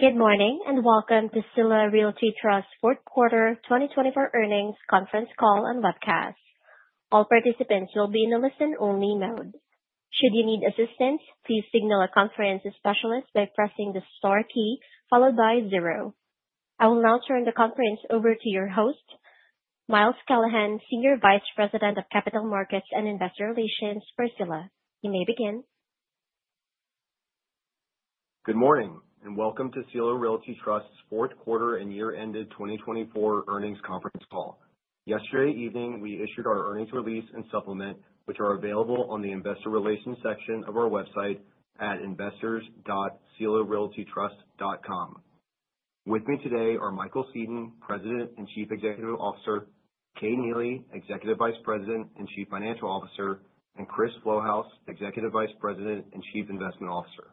Good morning and welcome to Sila Realty Trust Fourth Quarter 2024 Earnings Conference Call and Webcast. All participants will be in a listen-only mode. Should you need assistance, please signal a conference specialist by pressing the star key followed by zero. I will now turn the conference over to your host, Miles Callahan, Senior Vice President of Capital Markets and Investor Relations for Sila. You may begin. Good morning and welcome to Sila Realty Trust's Fourth Quarter and Year-Ended 2024 Earnings Conference Call. Yesterday evening, we issued our earnings release and supplement, which are available on the Investor Relations section of our website at investors.sila-realty-trust.com. With me today are Michael Seton, President and Chief Executive Officer; Kay Neely, Executive Vice President and Chief Financial Officer; and Chris Flouhouse, Executive Vice President and Chief Investment Officer.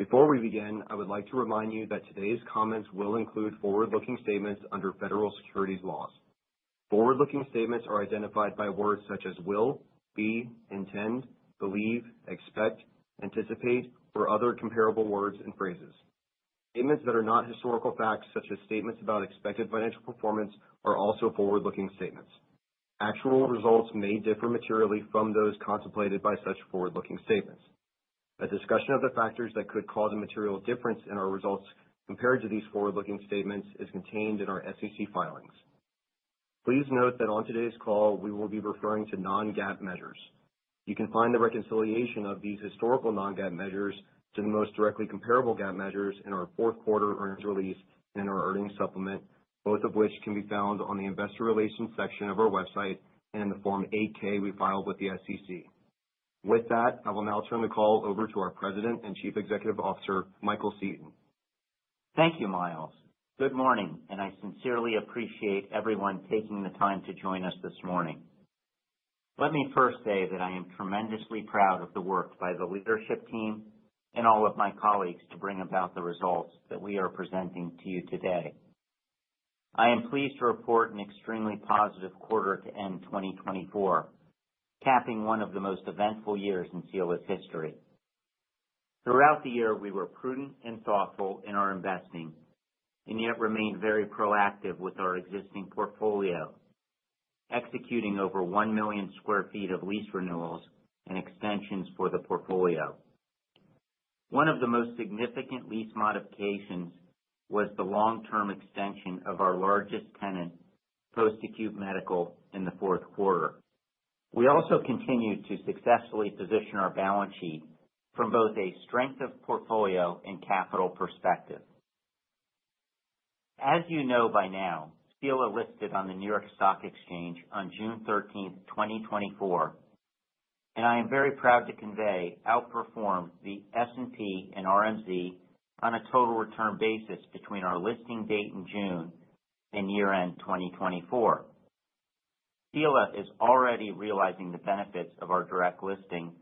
Before we begin, I would like to remind you that today's comments will include forward-looking statements under federal securities laws. Forward-looking statements are identified by words such as will, be, intend, believe, expect, anticipate, or other comparable words and phrases. Statements that are not historical facts, such as statements about expected financial performance, are also forward-looking statements. Actual results may differ materially from those contemplated by such forward-looking statements. A discussion of the factors that could cause a material difference in our results compared to these forward-looking statements is contained in our SEC filings. Please note that on today's call, we will be referring to non-GAAP measures. You can find the reconciliation of these historical non-GAAP measures to the most directly comparable GAAP measures in our Q4 Earnings Release and in our earnings supplement, both of which can be found on the Investor Relations section of our website and in the Form 8-K we filed with the SEC. With that, I will now turn the call over to our President and Chief Executive Officer, Michael Seton. Thank you, Miles. Good morning, and I sincerely appreciate everyone taking the time to join us this morning. Let me first say that I am tremendously proud of the work by the leadership team and all of my colleagues to bring about the results that we are presenting to you today. I am pleased to report an extremely positive quarter to end 2024, capping one of the most eventful years in Sila's history. Throughout the year, we were prudent and thoughtful in our investing and yet remained very proactive with our existing portfolio, executing over 1 million sq.ft. of lease renewals and extensions for the portfolio. One of the most significant lease modifications was the long-term extension of our largest tenant, Post Acute Medical, in the Q4. We also continued to successfully position our balance sheet from both a strength of portfolio and capital perspective. As you know by now, Sila listed on the New York Stock Exchange on June 13, 2024, and I am very proud to convey outperformed the S&P and RMZ on a total return basis between our listing date in June and year-end 2024. Sila is already realizing the benefits of our direct listing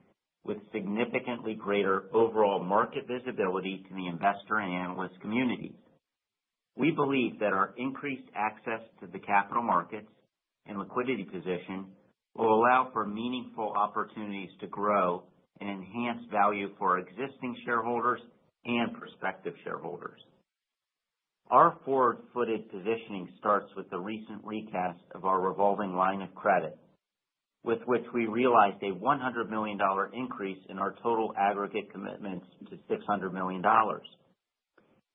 with significantly greater overall market visibility to the investor and analyst communities. We believe that our increased access to the capital markets and liquidity position will allow for meaningful opportunities to grow and enhance value for existing shareholders and prospective shareholders. Our forward-footed positioning starts with the recent recast of our revolving line of credit, with which we realized a $100 million increase in our total aggregate commitments to $600 million.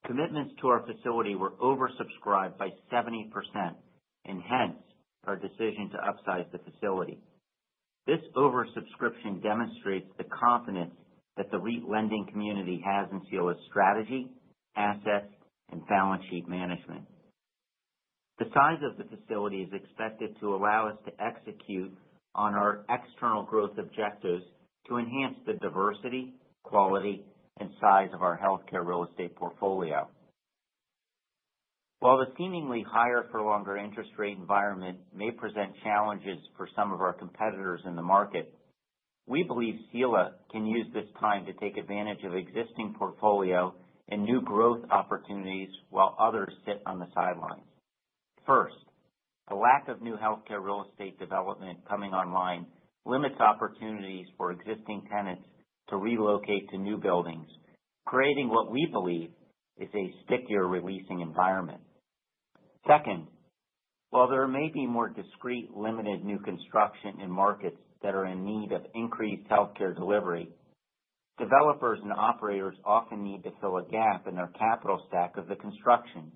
Commitments to our facility were oversubscribed by 70%, and hence our decision to upsize the facility. This oversubscription demonstrates the confidence that the lending community has in Sila's strategy, assets, and balance sheet management. The size of the facility is expected to allow us to execute on our external growth objectives to enhance the diversity, quality, and size of our healthcare real estate portfolio. While the seemingly higher-for-longer interest rate environment may present challenges for some of our competitors in the market, we believe Sila can use this time to take advantage of existing portfolio and new growth opportunities while others sit on the sidelines. First, the lack of new healthcare real estate development coming online limits opportunities for existing tenants to relocate to new buildings, creating what we believe is a stickier releasing environment. Second, while there may be more discrete limited new construction in markets that are in need of increased healthcare delivery, developers and operators often need to fill a gap in their capital stack of the construction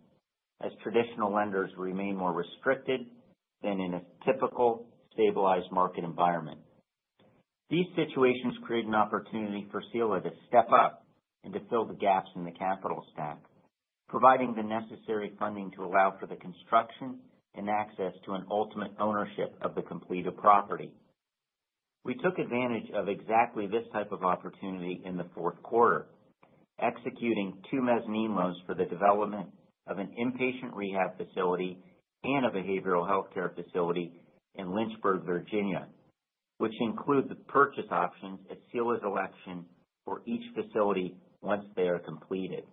as traditional lenders remain more restricted than in a typical stabilized market environment. These situations create an opportunity for Sila to step up and to fill the gaps in the capital stack, providing the necessary funding to allow for the construction and access to an ultimate ownership of the completed property. We took advantage of exactly this type of opportunity in the Q4, executing two mezzanine loans for the development of an inpatient rehab facility and a behavioral healthcare facility in Lynchburg, Virginia, which include the purchase options at Sila's election for each facility once they are completed.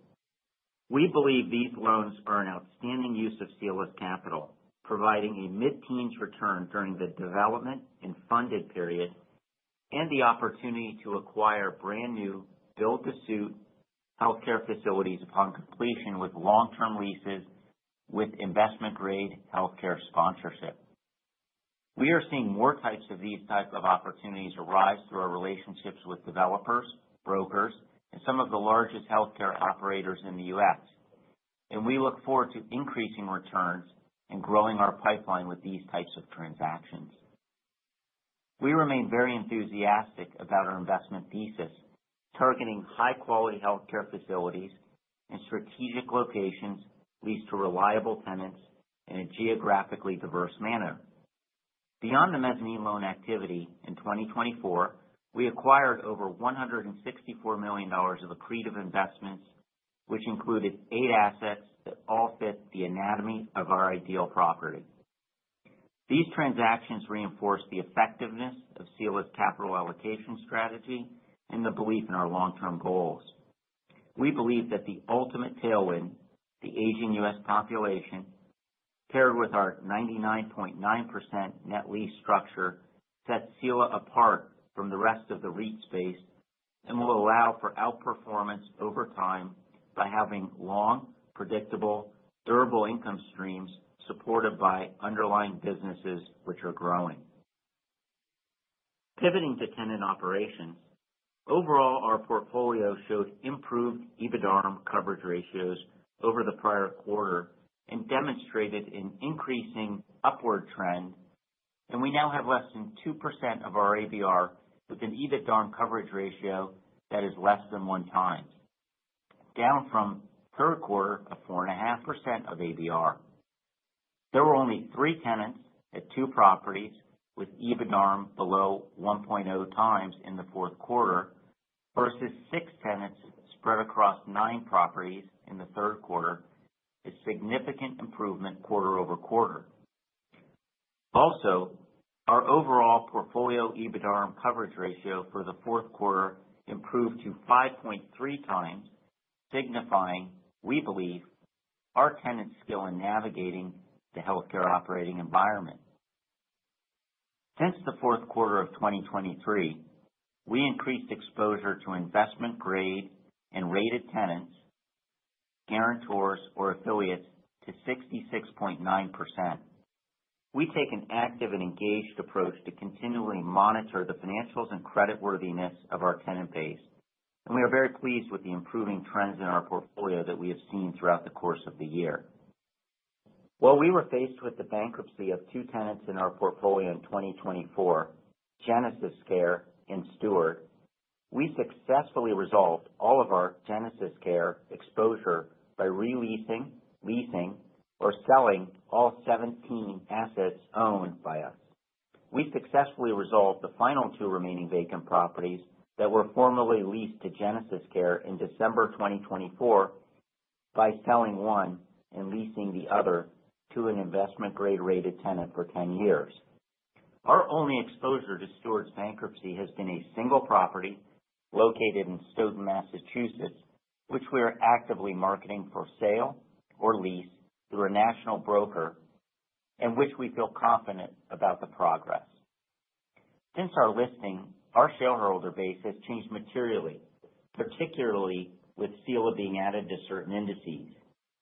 We believe these loans are an outstanding use of Sila's capital, providing a mid-teens return during the development and funded period and the opportunity to acquire brand new build-to-suit healthcare facilities upon completion with long-term leases with investment-grade healthcare sponsorship. We are seeing more types of these types of opportunities arise through our relationships with developers, brokers, and some of the largest healthcare operators in the U.S., and we look forward to increasing returns and growing our pipeline with these types of transactions. We remain very enthusiastic about our investment thesis, targeting high-quality healthcare facilities in strategic locations leased to reliable tenants in a geographically diverse manner. Beyond the mezzanine loan activity in 2024, we acquired over $164 million of accretive investments, which included eight assets that all fit the anatomy of our ideal property. These transactions reinforce the effectiveness of Sila's capital allocation strategy and the belief in our long-term goals. We believe that the ultimate tailwind, the aging U.S. population, paired with our 99.9% net lease structure, sets Sila apart from the rest of the REIT space and will allow for outperformance over time by having long, predictable, durable income streams supported by underlying businesses which are growing. Pivoting to tenant operations, overall, our portfolio showed improved EBITDA coverage ratios over the prior quarter and demonstrated an increasing upward trend, and we now have less than 2% of our ABR with an EBITDA coverage ratio that is less than one times, down from Q3 of 4.5% of ABR. There were only three tenants at two properties with EBITDA below 1.0 times in the Q4 versus six tenants spread across nine properties in the Q3, a significant improvement quarter over quarter. Also, our overall portfolio EBITDA coverage ratio for the Q4 improved to 5.3 times, signifying, we believe, our tenants' skill in navigating the healthcare operating environment. Since the Q4 of 2023, we increased exposure to investment-grade and rated tenants, guarantors, or affiliates to 66.9%. We take an active and engaged approach to continually monitor the financials and creditworthiness of our tenant base, and we are very pleased with the improving trends in our portfolio that we have seen throughout the course of the year. While we were faced with the bankruptcy of two tenants in our portfolio in 2024, GenesisCare and Steward, we successfully resolved all of our GenesisCare exposure by releasing, leasing, or selling all 17 assets owned by us. We successfully resolved the final two remaining vacant properties that were formerly leased to GenesisCare in December 2024 by selling one and leasing the other to an investment-grade rated tenant for 10 years. Our only exposure to Steward's bankruptcy has been a single property located in Stoughton, Massachusetts, which we are actively marketing for sale or lease through a national broker and which we feel confident about the progress. Since our listing, our shareholder base has changed materially, particularly with Sila being added to certain indices,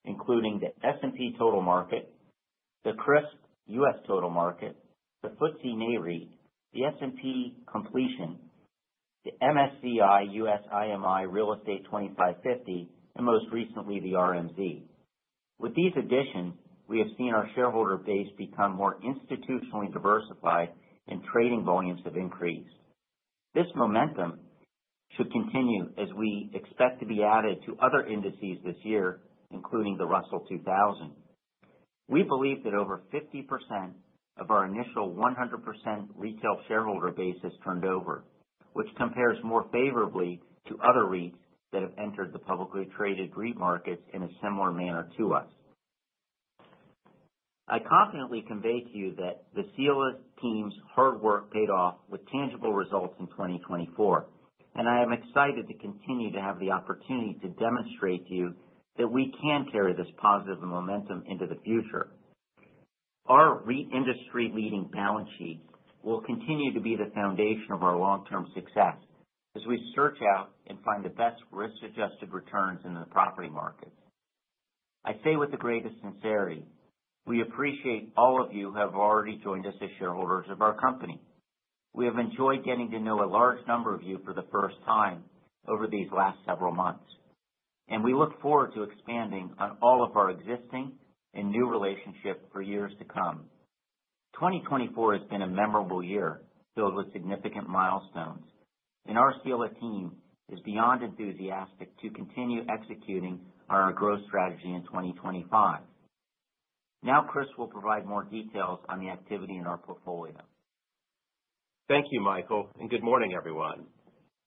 including the S&P Total Market, the CRSP U.S. Total Market, the FTSE Nareit, the S&P Completion, the MSCI U.S. IMI Real Estate 25/50, and most recently the RMZ. With these additions, we have seen our shareholder base become more institutionally diversified, and trading volumes have increased. This momentum should continue as we expect to be added to other indices this year, including the Russell 2000. We believe that over 50% of our initial 100% retail shareholder base has turned over, which compares more favorably to other REITs that have entered the publicly traded REIT markets in a similar manner to us. I confidently convey to you that the Sila team's hard work paid off with tangible results in 2024, and I am excited to continue to have the opportunity to demonstrate to you that we can carry this positive momentum into the future. Our REIT industry-leading balance sheet will continue to be the foundation of our long-term success as we search out and find the best risk-adjusted returns in the property market. I say with the greatest sincerity, we appreciate all of you who have already joined us as shareholders of our company. We have enjoyed getting to know a large number of you for the first time over these last several months, and we look forward to expanding on all of our existing and new relationships for years to come. 2024 has been a memorable year filled with significant milestones, and our Sila team is beyond enthusiastic to continue executing our growth strategy in 2025. Now, Chris will provide more details on the activity in our portfolio. Thank you, Michael, and good morning, everyone.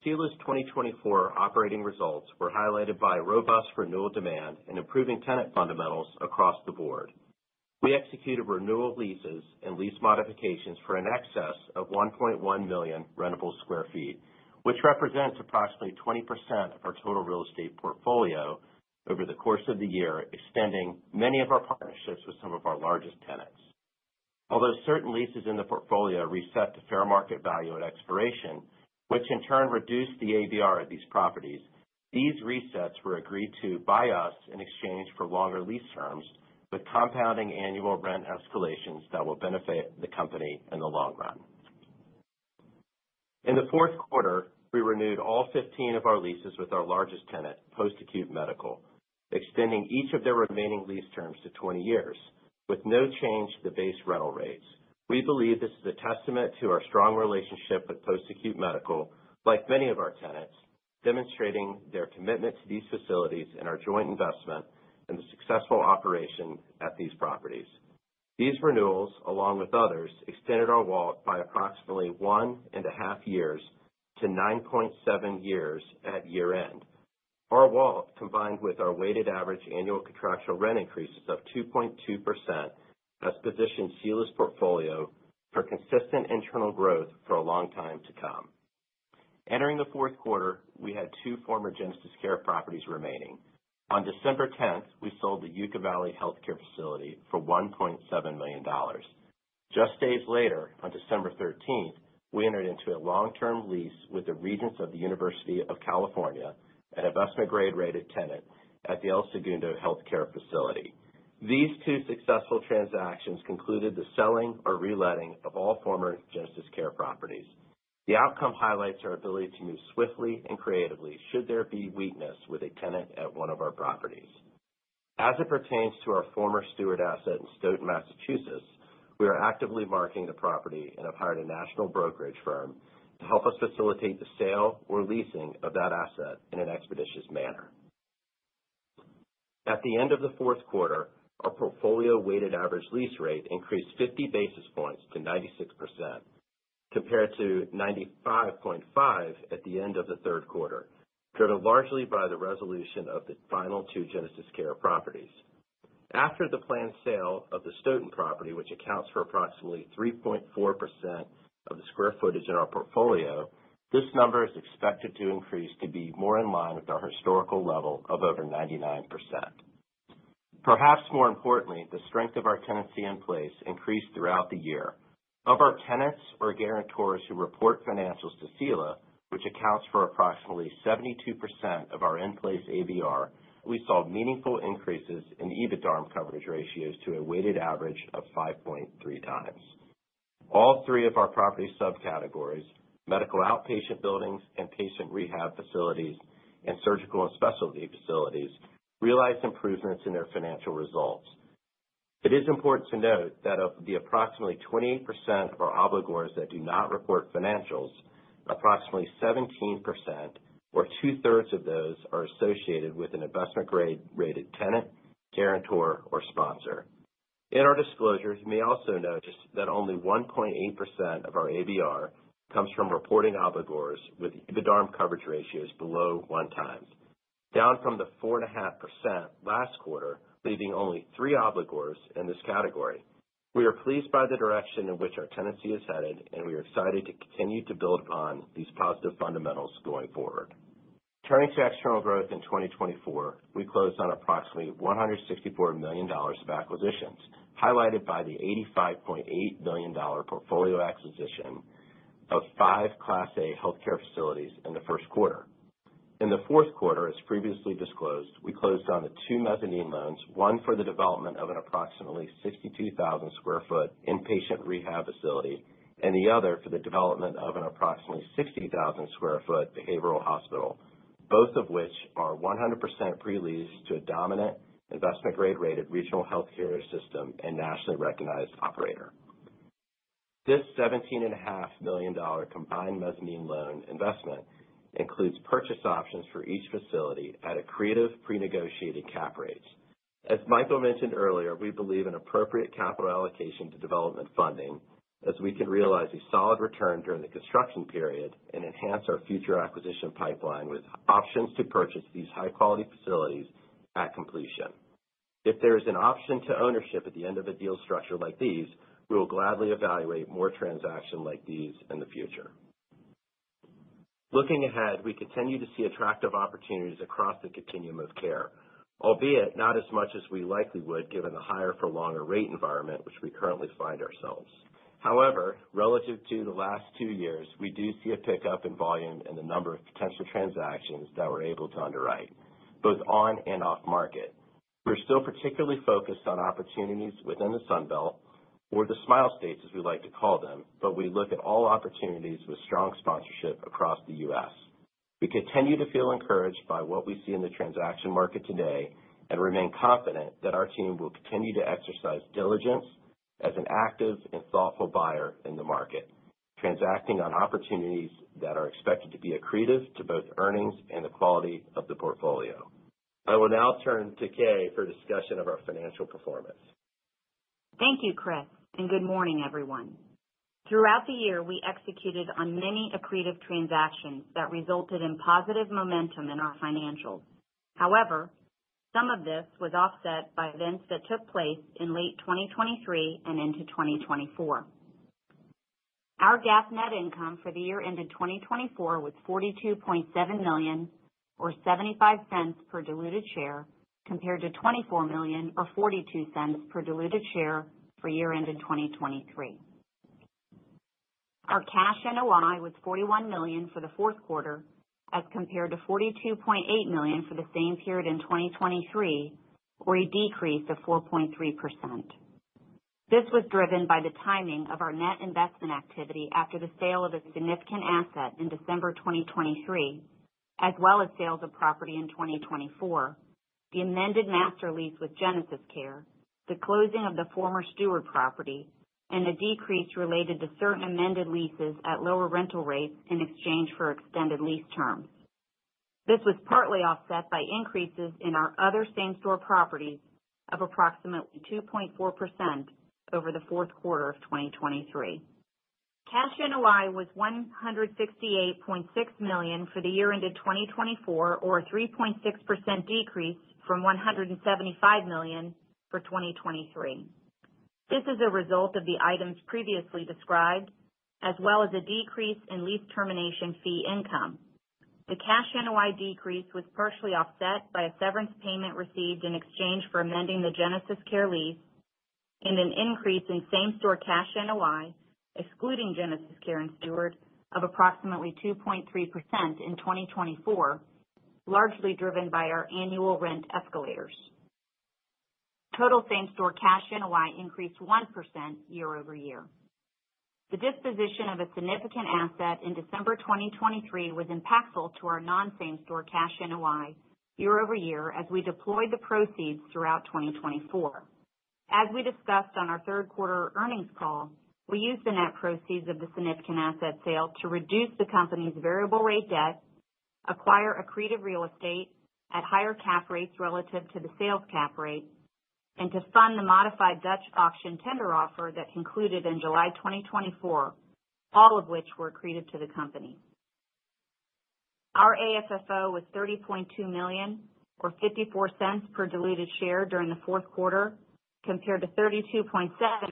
Sila's 2024 operating results were highlighted by robust renewal demand and improving tenant fundamentals across the board. We executed renewal leases and lease modifications for an excess of 1.1 million rentable sq.ft., which represents approximately 20% of our total real estate portfolio over the course of the year, extending many of our partnerships with some of our largest tenants. Although certain leases in the portfolio reset to fair market value at expiration, which in turn reduced the ABR of these properties, these resets were agreed to by us in exchange for longer lease terms with compounding annual rent escalations that will benefit the company in the long run. In the Q4, we renewed all 15 of our leases with our largest tenant, Post Acute Medical, extending each of their remaining lease terms to 20 years with no change to the base rental rates. We believe this is a testament to our strong relationship with Post Acute Medical, like many of our tenants, demonstrating their commitment to these facilities and our joint investment in the successful operation at these properties. These renewals, along with others, extended our WALT by approximately one and a half years to 9.7 years at year-end. Our WALT, combined with our weighted average annual contractual rent increases of 2.2%, has positioned Sila's portfolio for consistent internal growth for a long time to come. Entering the Q4, we had two former GenesisCare properties remaining. On December 10, we sold the Yucca Valley Healthcare Facility for $1.7 million. Just days later, on December 13, we entered into a long-term lease with the Regents of the University of California, an investment-grade rated tenant at the El Segundo Healthcare Facility. These two successful transactions concluded the selling or reletting of all former GenesisCare properties. The outcome highlights our ability to move swiftly and creatively should there be weakness with a tenant at one of our properties. As it pertains to our former Steward asset in Stoughton, Massachusetts, we are actively marketing the property and have hired a national brokerage firm to help us facilitate the sale or leasing of that asset in an expeditious manner. At the end of the Q4, our portfolio weighted average lease rate increased 50 basis points to 96%, compared to 95.5% at the end of the Q3, driven largely by the resolution of the final two GenesisCare properties. After the planned sale of the Stoughton property, which accounts for approximately 3.4% of the square footage in our portfolio, this number is expected to increase to be more in line with our historical level of over 99%. Perhaps more importantly, the strength of our tenancy in place increased throughout the year. Of our tenants or guarantors who report financials to Sila, which accounts for approximately 72% of our in-place ABR, we saw meaningful increases in EBITDA coverage ratios to a weighted average of 5.3 times. All three of our property subcategories, medical outpatient buildings and patient rehab facilities and surgical and specialty facilities, realized improvements in their financial results. It is important to note that of the approximately 28% of our obligors that do not report financials, approximately 17%, or two-thirds of those, are associated with an investment-grade rated tenant, guarantor, or sponsor. In our disclosures, you may also notice that only 1.8% of our ABR comes from reporting obligors with EBITDA coverage ratios below one times, down from the 4.5% last quarter, leaving only three obligors in this category. We are pleased by the direction in which our tenancy has headed, and we are excited to continue to build upon these positive fundamentals going forward. Turning to external growth in 2024, we closed on approximately $164 million of acquisitions, highlighted by the $85.8 million portfolio acquisition of five Class A healthcare facilities in the Q1. In the Q4, as previously disclosed, we closed on the two mezzanine loans, one for the development of an approximately 62,000 sq.ft. inpatient rehab facility and the other for the development of an approximately 60,000 sq.ft. behavioral hospital, both of which are 100% pre-leased to a dominant investment-grade rated regional healthcare system and nationally recognized operator. This $17.5 million combined mezzanine loan investment includes purchase options for each facility at a creative pre-negotiated cap rates. As Michael mentioned earlier, we believe in appropriate capital allocation to development funding as we can realize a solid return during the construction period and enhance our future acquisition pipeline with options to purchase these high-quality facilities at completion. If there is an option to ownership at the end of a deal structure like these, we will gladly evaluate more transactions like these in the future. Looking ahead, we continue to see attractive opportunities across the continuum of care, albeit not as much as we likely would given the higher-for-longer rate environment which we currently find ourselves. However, relative to the last two years, we do see a pickup in volume and the number of potential transactions that we're able to underwrite, both on and off-market. We're still particularly focused on opportunities within the Sunbelt or the Smile States, as we like to call them, but we look at all opportunities with strong sponsorship across the U.S. We continue to feel encouraged by what we see in the transaction market today and remain confident that our team will continue to exercise diligence as an active and thoughtful buyer in the market, transacting on opportunities that are expected to be accretive to both earnings and the quality of the portfolio. I will now turn to Kay for discussion of our financial performance. Thank you, Chris, and good morning, everyone. Throughout the year, we executed on many accretive transactions that resulted in positive momentum in our financials. However, some of this was offset by events that took place in late 2023 and into 2024. Our GAAP net income for the year-end in 2024 was $42.7 million, or $0.75 per diluted share, compared to $24 million, or $0.42 per diluted share for year-end in 2023. Our cash NOI was $41 million for the Q4, as compared to $42.8 million for the same period in 2023, or a decrease of 4.3%. This was driven by the timing of our net investment activity after the sale of a significant asset in December 2023, as well as sales of property in 2024, the amended master lease with GenesisCare, the closing of the former Steward property, and a decrease related to certain amended leases at lower rental rates in exchange for extended lease terms. This was partly offset by increases in our other same-store properties of approximately 2.4% over the Q4 of 2023. Cash NOI was $168.6 million for the year-end in 2024, or a 3.6% decrease from $175 million for 2023. This is a result of the items previously described, as well as a decrease in lease termination fee income. The cash NOI decrease was partially offset by a severance payment received in exchange for amending the GenesisCare lease and an increase in same-store cash NOI, excluding GenesisCare and Steward, of approximately 2.3% in 2024, largely driven by our annual rent escalators. Total same-store cash NOI increased 1% year over year. The disposition of a significant asset in December 2023 was impactful to our non-same-store cash NOI year over year as we deployed the proceeds throughout 2024. As we discussed on our Q3 earnings call, we used the net proceeds of the significant asset sale to reduce the company's variable rate debt, acquire accretive real estate at higher cap rates relative to the sales cap rate, and to fund the modified Dutch auction tender offer that concluded in July 2024, all of which were accretive to the company. Our AFFO was $30.2 million, or $0.54 per diluted share during the Q4, compared to $32.7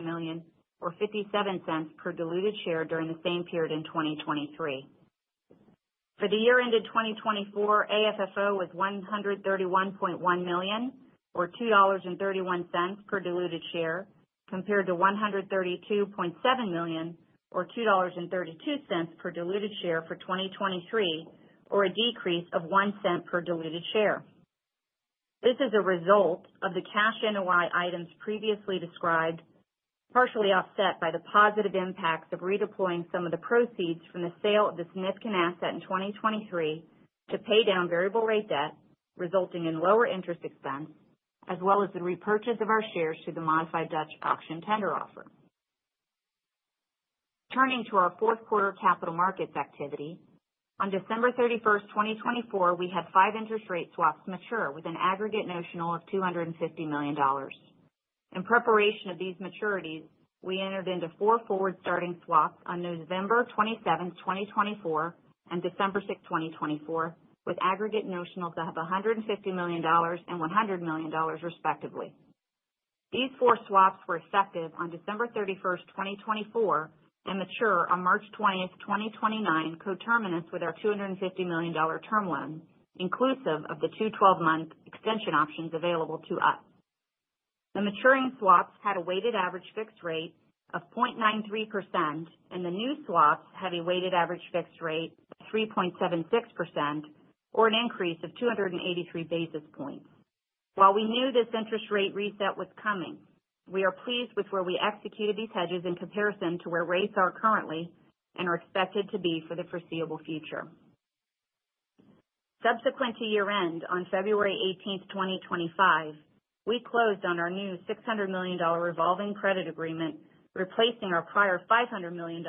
million, or $0.57 per diluted share during the same period in 2023. For the year-end in 2024, AFFO was $131.1 million, or $2.31 per diluted share, compared to $132.7 million, or $2.32 per diluted share for 2023, or a decrease of $0.01 per diluted share. This is a result of the cash NOI items previously described, partially offset by the positive impacts of redeploying some of the proceeds from the sale of the significant asset in 2023 to pay down variable rate debt, resulting in lower interest expense, as well as the repurchase of our shares through the modified Dutch auction tender offer. Turning to our Q4 capital markets activity, on December 31, 2024, we had five interest rate swaps mature with an aggregate notional of $250 million. In preparation of these maturities, we entered into four forward-starting swaps on November 27, 2024, and December 6, 2024, with aggregate notionals of $150 million and $100 million, respectively. These four swaps were effective on December 31, 2024, and mature on March 20, 2029, coterminous with our $250 million term loan, inclusive of the two 12-month extension options available to us. The maturing swaps had a weighted average fixed rate of 0.93%, and the new swaps had a weighted average fixed rate of 3.76%, or an increase of 283 basis points. While we knew this interest rate reset was coming, we are pleased with where we executed these hedges in comparison to where rates are currently and are expected to be for the foreseeable future. Subsequent to year-end, on February 18, 2025, we closed on our new $600 million revolving credit agreement, replacing our prior $500 million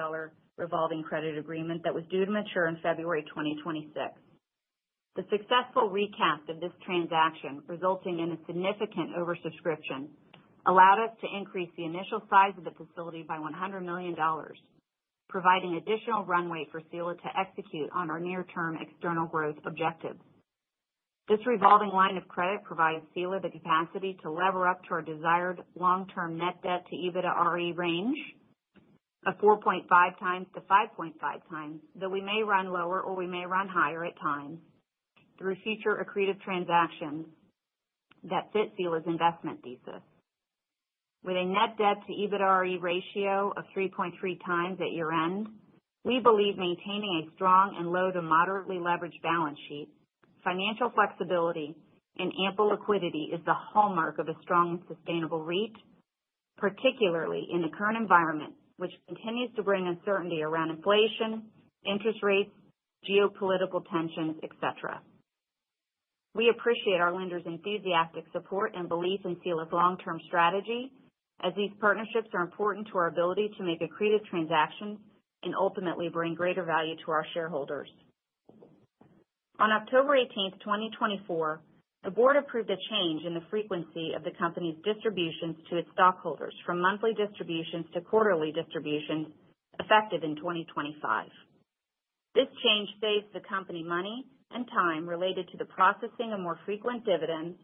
revolving credit agreement that was due to mature in February 2026. The successful recap of this transaction, resulting in a significant oversubscription, allowed us to increase the initial size of the facility by $100 million, providing additional runway for Sila to execute on our near-term external growth objectives. This revolving line of credit provides Sila the capacity to lever up to our desired long-term net debt-to-EBITDAre range of 4.5-5.5 times, though we may run lower or we may run higher at times through future accretive transactions that fit Sila's investment thesis. With a net debt-to-EBITDAre ratio of 3.3 times at year-end, we believe maintaining a strong and low to moderately leveraged balance sheet, financial flexibility, and ample liquidity is the hallmark of a strong and sustainable REIT, particularly in the current environment, which continues to bring uncertainty around inflation, interest rates, geopolitical tensions, etc. We appreciate our lender's enthusiastic support and belief in Sila's long-term strategy, as these partnerships are important to our ability to make accretive transactions and ultimately bring greater value to our shareholders. On October 18, 2024, the board approved a change in the frequency of the company's distributions to its stockholders, from monthly distributions to quarterly distributions, effective in 2025. This change saves the company money and time related to the processing of more frequent dividends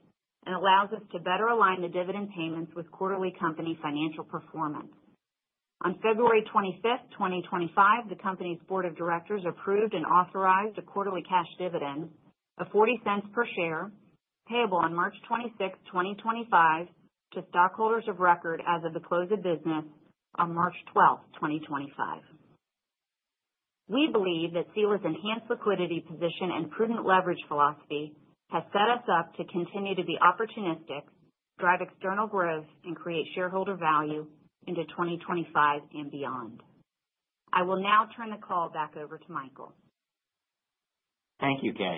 and allows us to better align the dividend payments with quarterly company financial performance. On February 25, 2025, the company's board of directors approved and authorized a quarterly cash dividend of $0.40 per share, payable on March 26, 2025, to stockholders of record as of the close of business on March 12, 2025. We believe that Sila's enhanced liquidity position and prudent leverage philosophy has set us up to continue to be opportunistic, drive external growth, and create shareholder value into 2025 and beyond. I will now turn the call back over to Michael. Thank you, Kay.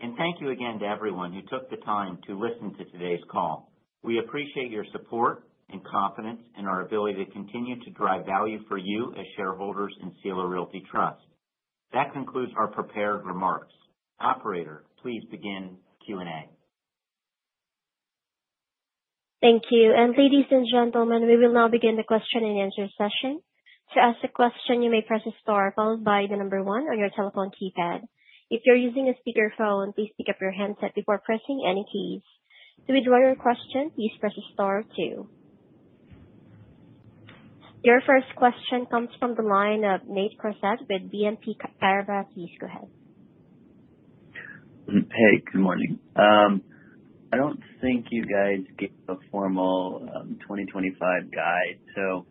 And thank you again to everyone who took the time to listen to today's call. We appreciate your support and confidence in our ability to continue to drive value for you as shareholders in Sila Realty Trust. That concludes our prepared remarks. Operator, please begin Q&A. Thank you, and ladies and gentlemen, we will now begin the question and answer session. To ask a question, you may press a star followed by the number one on your telephone keypad. If you're using a speakerphone, please pick up your handset before pressing any keys. To withdraw your question, please press a star two. Your first question comes from the line of Nate Crossett with BNP Paribas. Please go ahead. Hey, good morning. I don't think you guys gave a formal 2025 guide, so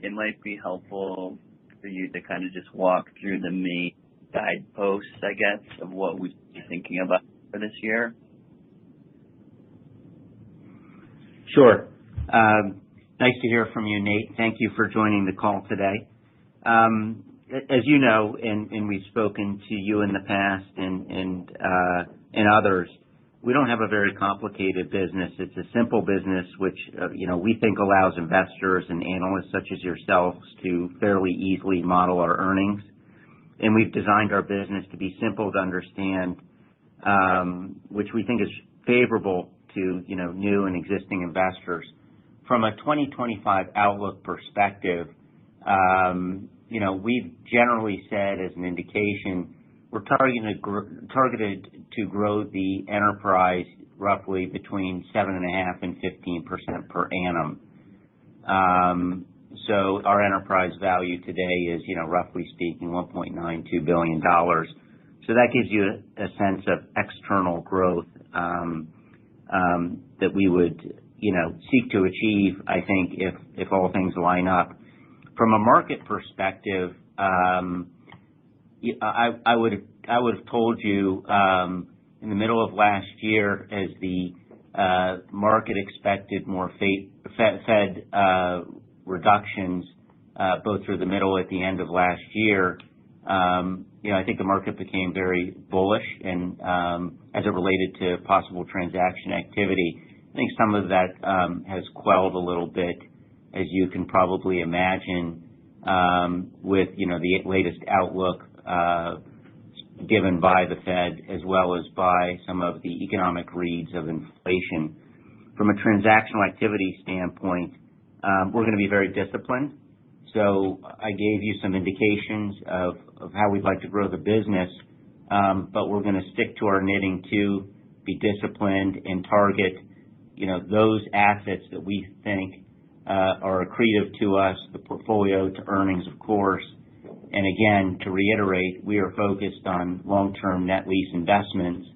it might be helpful for you to just walk through the main guideposts, I guess, of what we're thinking about for this year. Sure. Nice to hear from you, Nate. Thank you for joining the call today. As you know, and we've spoken to you in the past and others, we don't have a very complicated business. It's a simple business, which we think allows investors and analysts such as yourselves to fairly easily model our earnings. And we've designed our business to be simple to understand, which we think is favorable to new and existing investors. From a 2025 outlook perspective, we've generally said as an indication, we're targeted to grow the enterprise roughly between 7.5%-15% per annum. So our enterprise value today is, roughly speaking, $1.92 billion. So that gives you a sense of external growth that we would seek to achieve if all things line up. From a market perspective, I would have told you in the middle of last year, as the market expected more Fed reductions both through the middle and at the end of last year the market became very bullish, and as it related to possible transaction activity, some of that has quelled a little bit, as you can probably imagine, with the latest outlook given by the Fed as well as by some of the economic reads of inflation. From a transactional activity standpoint, we're going to be very disciplined, so I gave you some indications of how we'd like to grow the business, but we're going to stick to our knitting to be disciplined and target those assets that we think are accretive to us, the portfolio, to earnings, of course. And again, to reiterate, we are focused on long-term net lease investments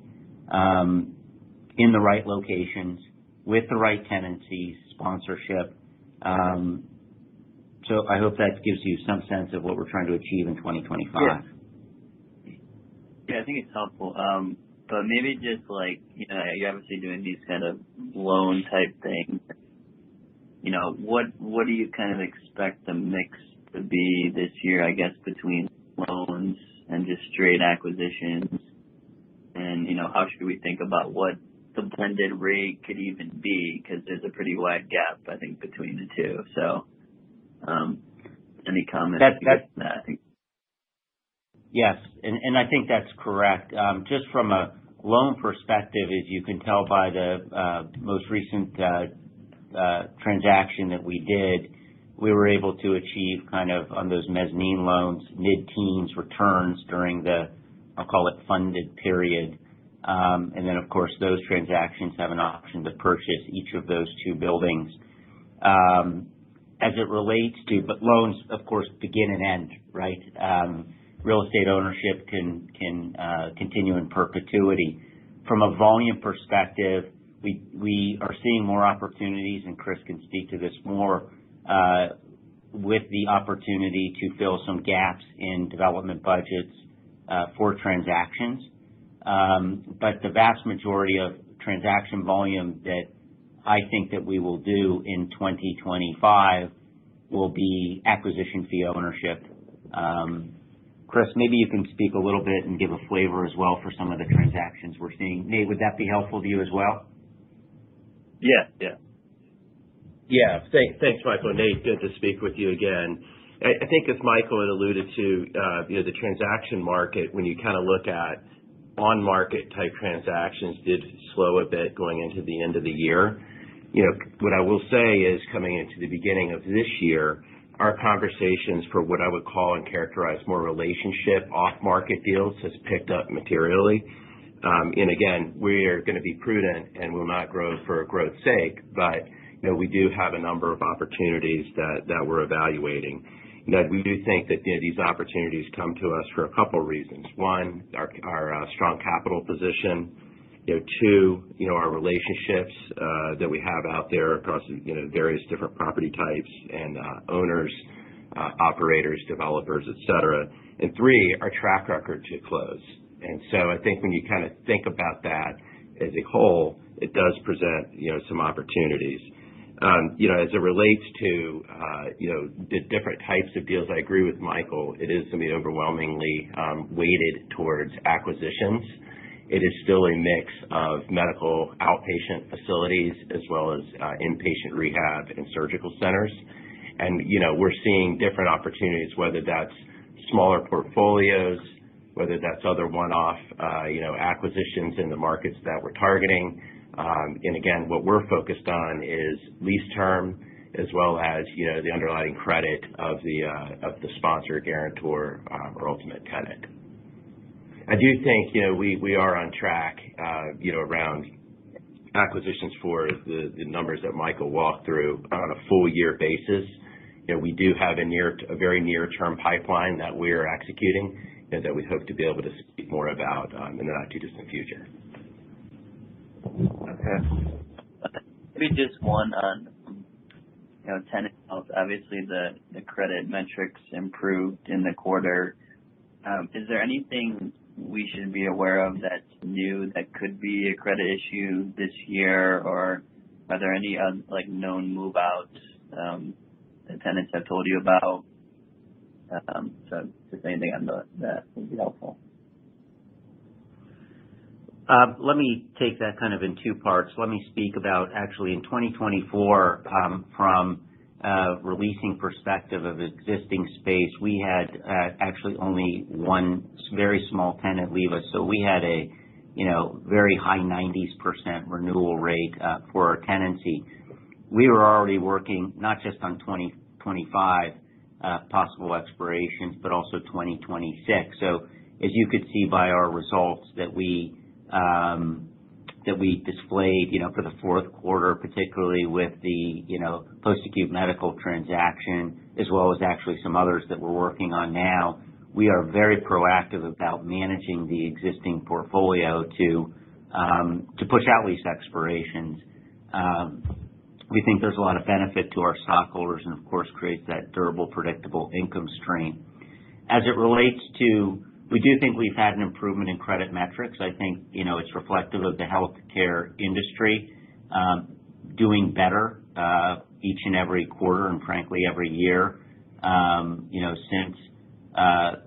in the right locations with the right tenancies, sponsorship. So I hope that gives you some sense of what we're trying to achieve in 2025. It's helpful. But maybe just like you're obviously doing these loan-type things. What do you expect the mix to be this year, I guess, between loans and just straight acquisitions? And how should we think about what the blended rate could even be? Because there's a pretty wide gap between the two. So any comments on that? Yes. And that's correct. Just from a loan perspective, as you can tell by the most recent transaction that we did, we were able to achieve, on those mezzanine loans, mid-teens returns during the, I'll call it, funded period. And then, of course, those transactions have an option to purchase each of those two buildings. As it relates to, but loans, of course, begin and end, right? Real estate ownership can continue in perpetuity. From a volume perspective, we are seeing more opportunities, and Chris can speak to this more, with the opportunity to fill some gaps in development budgets for transactions. But the vast majority of transaction volume that we will do in 2025 will be acquisition fee ownership. Chris, maybe you can speak a little bit and give a flavor as well for some of the transactions we're seeing. Nate, would that be helpful to you as well? Thanks, Michael. Nate, good to speak with you again. As Michael had alluded to, the transaction market, when you look at on-market-type transactions, did slow a bit going into the end of the year. What I will say is, coming into the beginning of this year, our conversations for what I would call and characterize more relationship off-market deals has picked up materially. And again, we are going to be prudent and will not grow for growth's sake, but we do have a number of opportunities that we're evaluating. We do think that these opportunities come to us for a couple of reasons. One, our strong capital position. Two, our relationships that we have out there across various different property types and owners, operators, developers, etc. And three, our track record to close. And so when you think about that as a whole, it does present some opportunities. As it relates to the different types of deals, I agree with Michael. It is going to be overwhelmingly weighted towards acquisitions. It is still a mix of medical outpatient facilities as well as inpatient rehab and surgical centers. And we're seeing different opportunities, whether that's smaller portfolios, whether that's other one-off acquisitions in the markets that we're targeting. And again, what we're focused on is lease term as well as the underlying credit of the sponsor, guarantor, or ultimate tenant. I do think we are on track around acquisitions for the numbers that Michael walked through on a full-year basis. We do have a very near-term pipeline that we are executing that we hope to be able to speak more about in the not-too-distant future. Okay. Maybe just one on tenant health. Obviously, the credit metrics improved in the quarter. Is there anything we should be aware of that's new that could be a credit issue this year? Or are there any known move-outs that tenants have told you about? So just anything on that would be helpful. Let me take that in two parts. Let me speak about, actually, in 2024, from a releasing perspective of existing space, we had actually only one very small tenant leave us. So we had a very high 90% renewal rate for our tenancy. We were already working not just on 2025 possible expirations, but also 2026. So as you could see by our results that we displayed for the Q4, particularly with the Post Acute Medical transaction, as well as actually some others that we're working on now, we are very proactive about managing the existing portfolio to push out lease expirations. We think there's a lot of benefit to our stockholders and, of course, creates that durable, predictable income stream. As it relates to, we do think we've had an improvement in credit metrics. It's reflective of the healthcare industry doing better each and every quarter and, frankly, every year since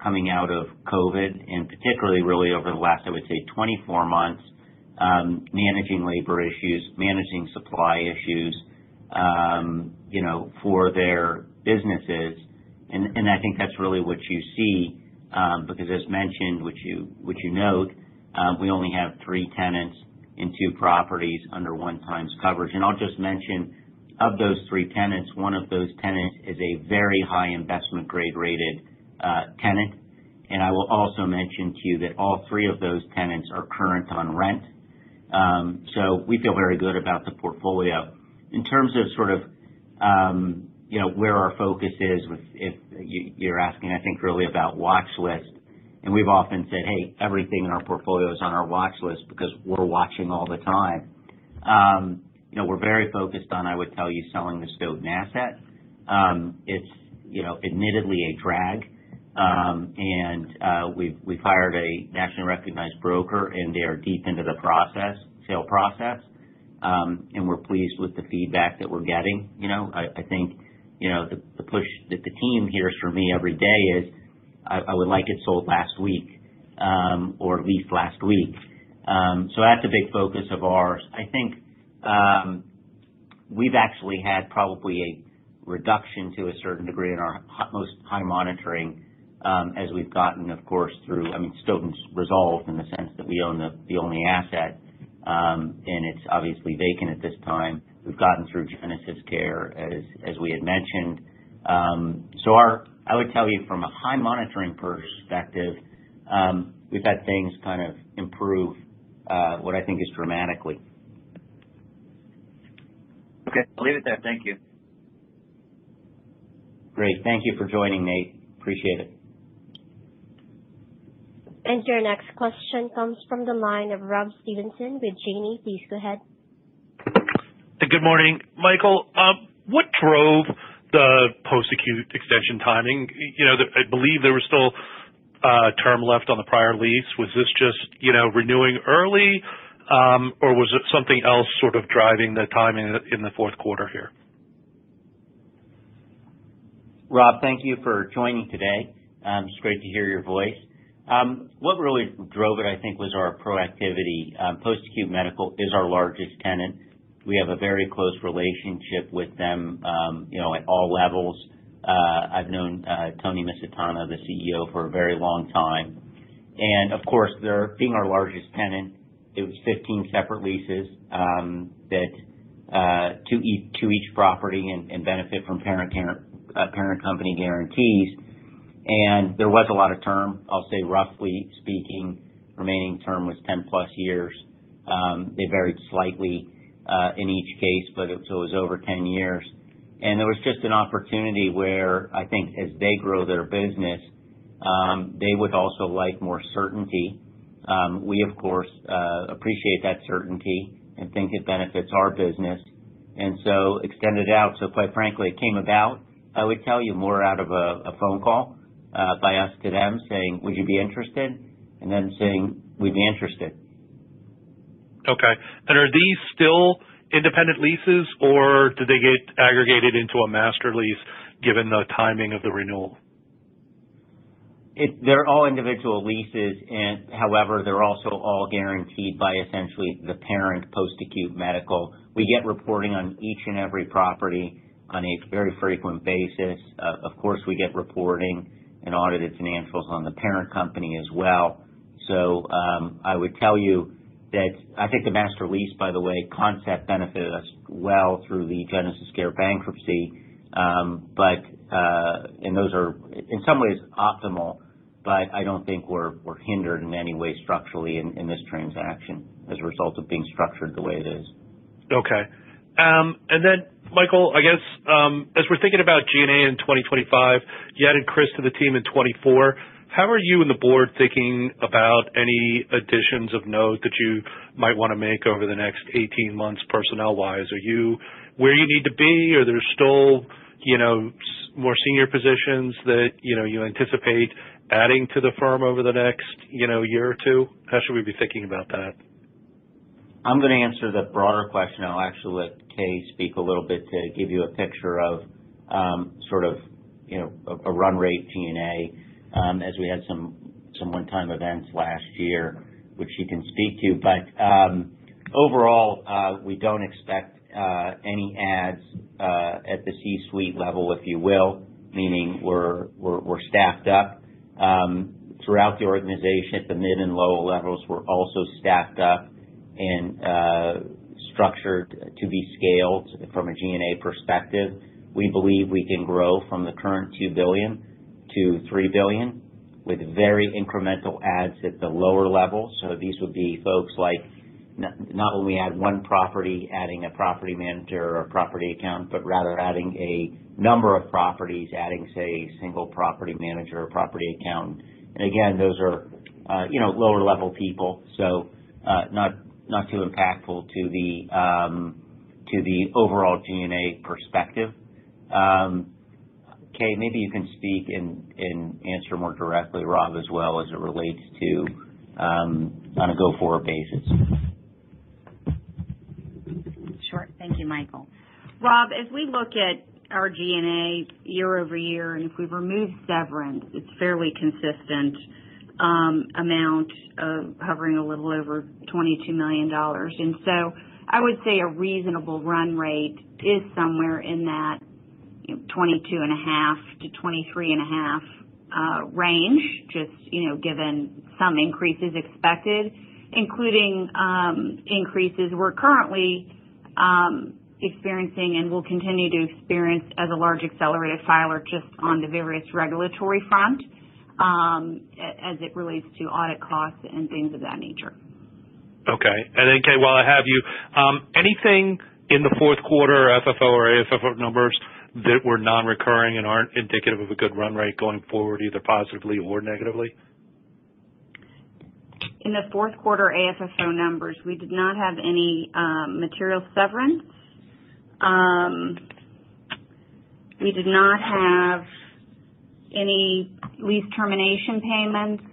coming out of COVID, and particularly really over the last, I would say, 24 months, managing labor issues, managing supply issues for their businesses, and that's really what you see because, as mentioned, which you note, we only have three tenants in two properties under one-time coverage, and I'll just mention, of those three tenants, one of those tenants is a very high investment-grade rated tenant, and I will also mention to you that all three of those tenants are current on rent, so we feel very good about the portfolio. In terms of where our focus is, if you're asking, really about watch list. We've often said, "Hey, everything in our portfolio is on our watch list because we're watching all the time." We're very focused on, I would tell you, selling the Stoughton asset. It's admittedly a drag. We've hired a nationally recognized broker, and they are deep into the process, sale process. We're pleased with the feedback that we're getting. The push that the team hears from me every day is, "I would like it sold last week or leased last week." That's a big focus of ours. We've actually had probably a reduction to a certain degree in our most highly monitored as we've gotten, of course, through, I mean, Stoughton's resolved in the sense that we own the only asset, and it's obviously vacant at this time. We've gotten through GenesisCare, as we had mentioned. So I would tell you, from a high monitoring perspective, we've had things improve what is dramatically. Okay. I'll leave it there. Thank you. Great. Thank you for joining, Nate. Appreciate it. Your next question comes from the line of Rob Stevenson with Janney. Please go ahead. Good morning, Michael. What drove the post-acute extension timing? I believe there was still a term left on the prior lease. Was this just renewing early, or was it something else driving the timing in the Q4 here? Rob, thank you for joining today. It's great to hear your voice. What really drove it was our proactivity. Post Acute Medical is our largest tenant. We have a very close relationship with them at all levels. I've known Anthony Misitano, the CEO, for a very long time. And of course, being our largest tenant, it was 15 separate leases to each property and benefit from parent company guarantees. And there was a lot of term. I'll say, roughly speaking, remaining term was 10-plus years. They varied slightly in each case, but it was over 10 years. And there was just an opportunity where as they grow their business, they would also like more certainty. We, of course, appreciate that certainty and think it benefits our business. And so extended out. So quite frankly, it came about, I would tell you, more out of a phone call by us to them saying, "Would you be interested?" And them saying, "We'd be interested. Okay, and are these still independent leases, or do they get aggregated into a master lease given the timing of the renewal? They're all individual leases. However, they're also all guaranteed by essentially the parent Post Acute Medical. We get reporting on each and every property on a very frequent basis. Of course, we get reporting and audited financials on the parent company as well. So I would tell you that the master lease, by the way, concept benefited us well through the GenesisCare bankruptcy, and those are, in some ways, optimal, but I don't think we're hindered in any way structurally in this transaction as a result of being structured the way it is. Okay. And then, Michael, I guess, as we're thinking about G&A in 2025, you added Chris to the team in 2024. How are you and the board thinking about any additions of note that you might want to make over the next 18 months personnel-wise? Are you where you need to be, or there's still more senior positions that you anticipate adding to the firm over the next year or two? How should we be thinking about that? I'm going to answer the broader question. I'll actually let Kay speak a little bit to give you a picture of a run rate G&A as we had some one-time events last year, which she can speak to. But overall, we don't expect any adds at the C-suite level, if you will, meaning we're staffed up. Throughout the organization, at the mid and low levels, we're also staffed up and structured to be scaled from a G&A perspective. We believe we can grow from the current 2 billion to 3 billion with very incremental adds at the lower level. So these would be folks like not when we add one property, adding a property manager or a property account, but rather adding a number of properties, adding, say, a single property manager or property account. Again, those are lower-level people, so not too impactful to the overall G&A perspective. Kay, maybe you can speak and answer more directly, Rob, as well as it relates to on a go-forward basis. Sure. Thank you, Michael. Rob, as we look at our G&A year over year, and if we remove severance, it's a fairly consistent amount of hovering a little over $22 million. And so I would say a reasonable run rate is somewhere in that $22.5 million-$23.5 million range, just given some increases expected, including increases we're currently experiencing and will continue to experience as a large accelerated filer just on the various regulatory front as it relates to audit costs and things of that nature. Okay. And then, Kay, while I have you, anything in the Q4 FFO or AFFO numbers that were non-recurring and aren't indicative of a good run rate going forward, either positively or negatively? In the Q4 AFFO numbers, we did not have any material severance. We did not have any lease termination payments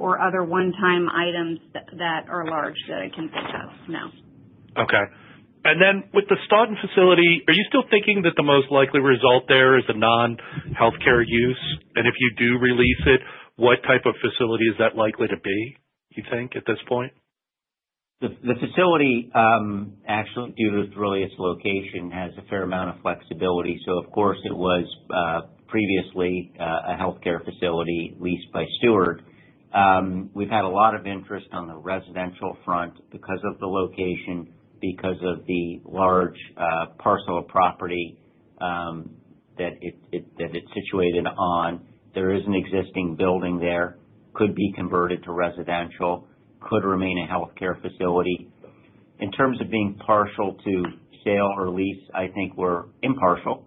or other one-time items that are large that I can think of. No. Okay. And then with the Stoughton facility, are you still thinking that the most likely result there is a non-healthcare use? And if you do release it, what type of facility is that likely to be, you think, at this point? The facility, actually, due to really its location, has a fair amount of flexibility. So, of course, it was previously a healthcare facility leased by Steward. We've had a lot of interest on the residential front because of the location, because of the large parcel of property that it's situated on. There is an existing building there. Could be converted to residential. Could remain a healthcare facility. In terms of being partial to sale or lease we're impartial.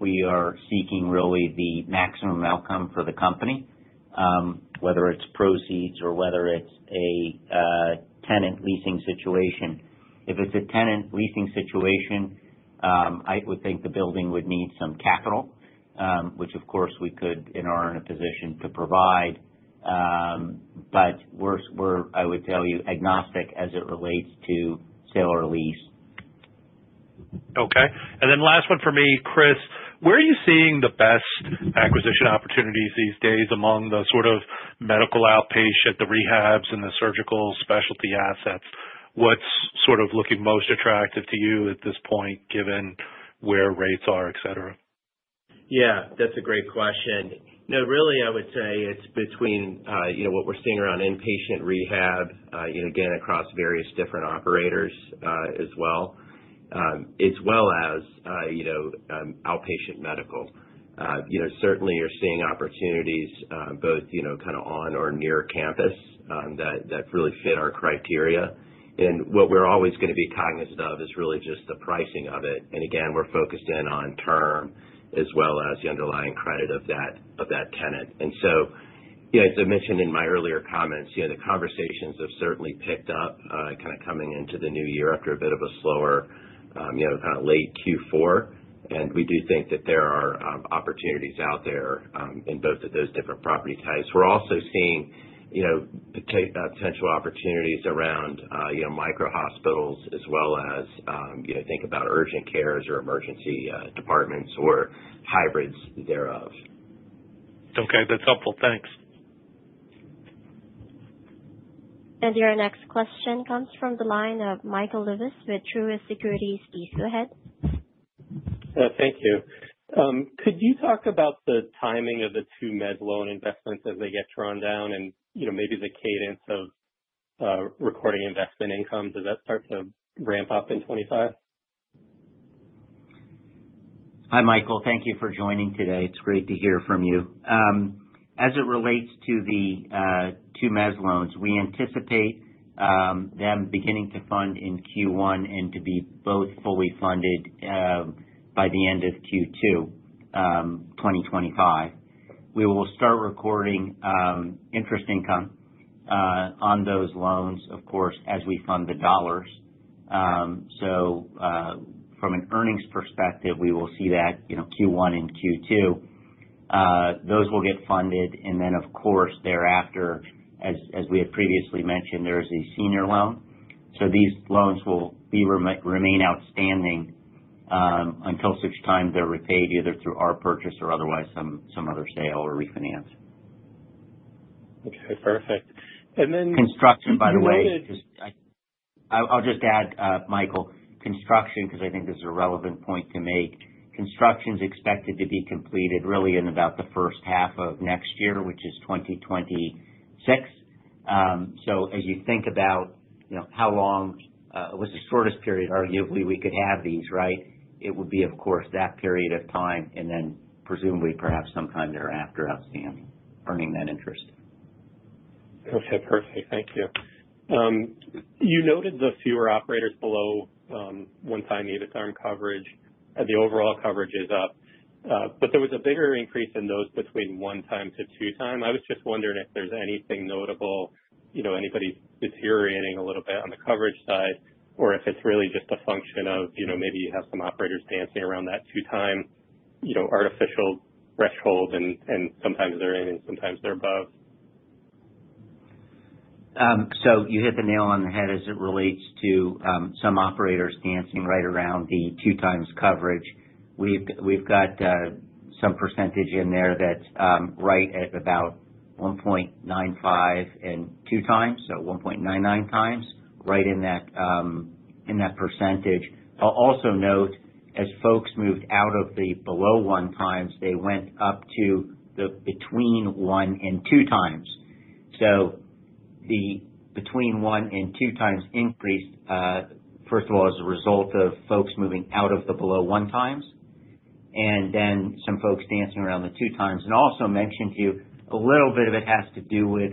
We are seeking really the maximum outcome for the company, whether it's proceeds or whether it's a tenant leasing situation. If it's a tenant leasing situation, I would think the building would need some capital, which, of course, we could and are in a position to provide. But we're, I would tell you, agnostic as it relates to sale or lease. Okay. And then last one for me, Chris. Where are you seeing the best acquisition opportunities these days among th medical outpatient, the rehabs, and the surgical specialty assets? What's looking most attractive to you at this point, given where rates are, etc.? That's a great question. No, really, I would say it's between what we're seeing around inpatient rehab, again, across various different operators as well, as well as outpatient medical. Certainly, you're seeing opportunities both on or near campus that really fit our criteria, and what we're always going to be cognizant of is really just the pricing of it, and again, we're focused in on term as well as the underlying credit of that tenant, and so as I mentioned in my earlier comments, the conversations have certainly picked up coming into the new year after a bit of a slower late Q4, and we do think that there are opportunities out there in both of those different property types. We're also seeing potential opportunities around micro hospitals as well as think about urgent cares or emergency departments or hybrids thereof. Okay. That's helpful. Thanks. And your next question comes from the line of Michael Lewis with Truist Securities. Please go ahead. Thank you. Could you talk about the timing of the two mezzanine loan investments as they get drawn down and maybe the cadence of recording investment income? Does that start to ramp up in 2025? Hi, Michael. Thank you for joining today. It's great to hear from you. As it relates to the two mezzanine loans, we anticipate them beginning to fund in Q1 and to be both fully funded by the end of Q2 2025. We will start recording interest income on those loans, of course, as we fund the dollars. So from an earnings perspective, we will see that Q1 and Q2. Those will get funded. And then, of course, thereafter, as we had previously mentioned, there is a senior loan. So these loans will remain outstanding until such time they're repaid either through our purchase or otherwise some other sale or refinance. Okay. Perfect. And then. Construction, by the way. I'll just add, Michael, construction, because this is a relevant point to make. Construction's expected to be completed really in about the first half of next year, which is 2026. So as you think about how long it was the shortest period, arguably, we could have these, right? It would be, of course, that period of time and then presumably perhaps sometime thereafter outstanding, earning that interest. Okay. Perfect. Thank you. You noted the fewer operators below one-times EBITDAR coverage. The overall coverage is up. But there was a bigger increase in those between one-times to two-times. I was just wondering if there's anything notable, anybody deteriorating a little bit on the coverage side, or if it's really just a function of maybe you have some operators dancing around that two-times arbitrary threshold, and sometimes they're in and sometimes they're above? You hit the nail on the head as it relates to some operators dancing right around the two-times coverage. We've got some percentage in there that's right at about 1.95 and two times, so 1.99 times, right in that percentage. I'll also note, as folks moved out of the below one times, they went up to the between one and two times. So the between one and two times increased, first of all, as a result of folks moving out of the below one times and then some folks dancing around the two times. And I'll also mention to you, a little bit of it has to do with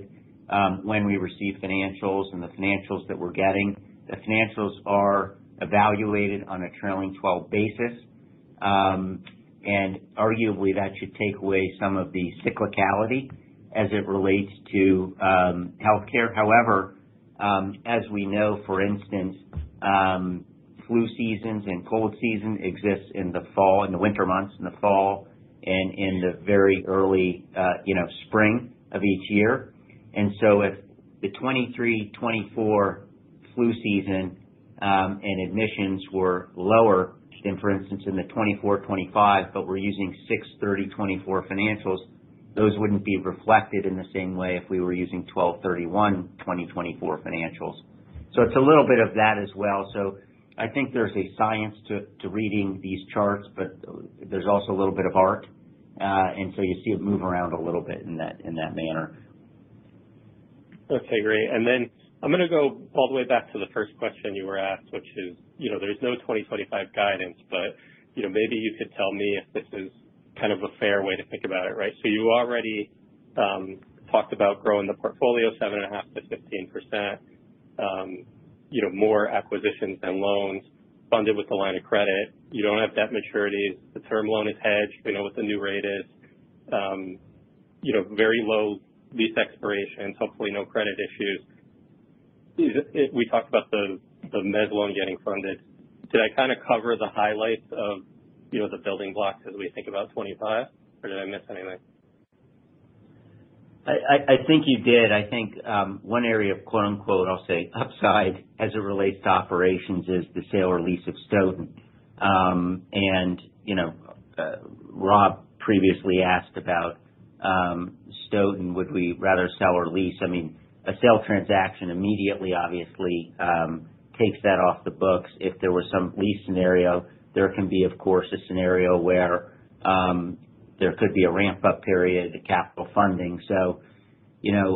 when we receive financials and the financials that we're getting. The financials are evaluated on a trailing 12 basis. And arguably, that should take away some of the cyclicality as it relates to healthcare. However, as we know, for instance, flu seasons and cold season exists in the fall, in the winter months, in the fall and in the very early spring of each year, and so if the 2023, 2024 flu season and admissions were lower than, for instance, in the 2024, 2025, but we're using 6/30/2024 financials, those wouldn't be reflected in the same way if we were using 12/31/2024 financials, so it's a little bit of that as well, so there's a science to reading these charts, but there's also a little bit of art, and so you see it move around a little bit in that manner. Okay. Great. And then I'm going to go all the way back to the first question you were asked, which is there's no 2025 guidance, but maybe you could tell me if this is a fair way to think about it, right? So you already talked about growing the portfolio 7.5%-15%, more acquisitions than loans, funded with the line of credit. You don't have debt maturities. The term loan is hedged. We know what the new rate is. Very low lease expirations, hopefully no credit issues. We talked about the mezz loan getting funded. Did I cover the highlights of the building blocks as we think about '25, or did I miss anything? You did. One area of quote-unquote, I'll say, upside as it relates to operations is the sale or lease of Stoughton. And Rob previously asked about Stoughton, would we rather sell or lease? I mean, a sale transaction immediately, obviously, takes that off the books. If there was some lease scenario, there can be, of course, a scenario where there could be a ramp-up period, a capital funding. So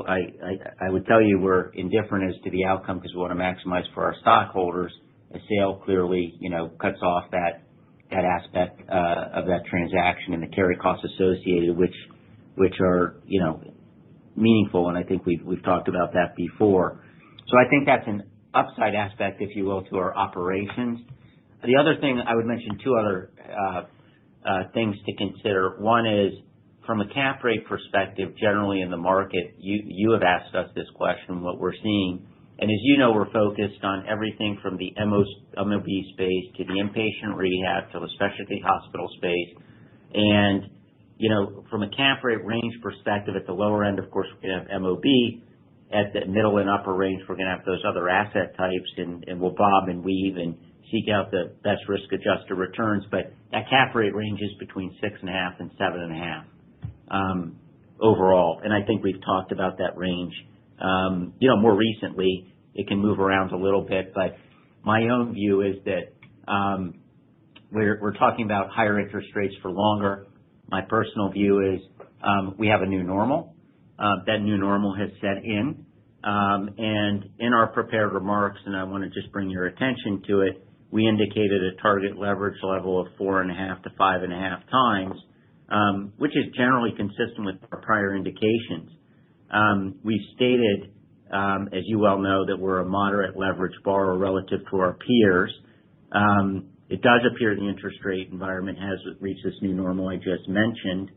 I would tell you we're indifferent as to the outcome because we want to maximize for our stockholders. A sale clearly cuts off that aspect of that transaction and the carry costs associated, which are meaningful. And we've talked about that before. So that's an upside aspect, if you will, to our operations. The other thing I would mention two other things to consider. One is, from a cap rate perspective, generally in the market, you have asked us this question, what we're seeing. And as you know, we're focused on everything from the MOB space to the inpatient rehab to the specialty hospital space. And from a cap rate range perspective, at the lower end, of course, we're going to have MOB. At the middle and upper range, we're going to have those other asset types. And we'll bob and weave and seek out the best risk-adjusted returns. But that cap rate range is between 6.5 and 7.5 overall. And we've talked about that range. More recently, it can move around a little bit. But my own view is that we're talking about higher interest rates for longer. My personal view is we have a new normal. That new normal has set in. In our prepared remarks, and I want to just bring your attention to it, we indicated a target leverage level of 4.5-5.5 times, which is generally consistent with our prior indications. We've stated, as you well know, that we're a moderate leverage borrower relative to our peers. It does appear the interest rate environment has reached this new normal I just mentioned,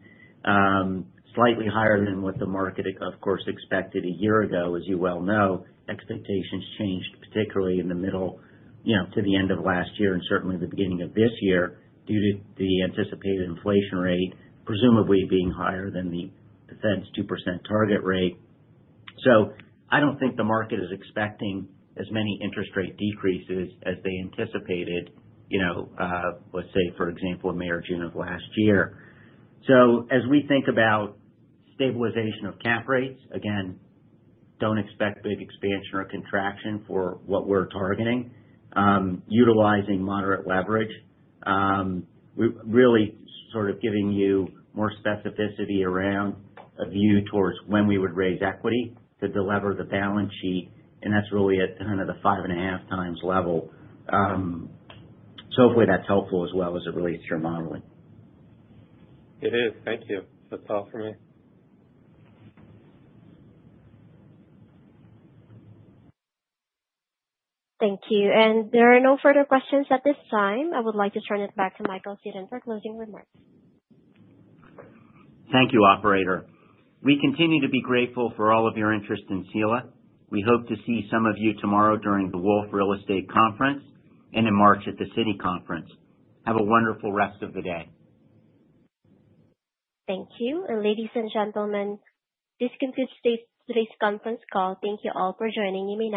slightly higher than what the market, of course, expected a year ago, as you well know. Expectations changed, particularly in the middle to the end of last year and certainly the beginning of this year due to the anticipated inflation rate presumably being higher than the Fed's 2% target rate. I don't think the market is expecting as many interest rate decreases as they anticipated, let's say, for example, May or June of last year. So as we think about stabilization of cap rates, again, don't expect big expansion or contraction for what we're targeting, utilizing moderate leverage. Really giving you more specificity around a view towards when we would raise equity to deliver the balance sheet. And that's really at the 5.5 times level. So hopefully that's helpful as well as it relates to your modeling. It is. Thank you. That's all for me. Thank you. And there are no further questions at this time. I would like to turn it back to Michael Seton for closing remarks. Thank you, Operator. We continue to be grateful for all of your interest in Sila. We hope to see some of you tomorrow during the Wolfe Real Estate Conference and in March at the Citi Conference. Have a wonderful rest of the day. Thank you. Ladies and gentlemen, this concludes today's conference call. Thank you all for joining me now.